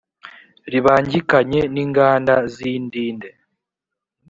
ribangikanye n inganda zindide.